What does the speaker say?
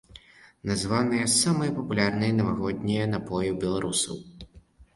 Названыя самыя папулярныя навагоднія напоі ў беларусаў.